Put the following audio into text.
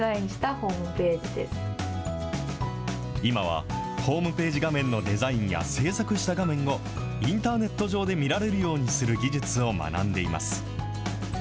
今は、ホームページ画面のデザインや、制作した画面をインターネット上で見られるようにする技術を学んでいます。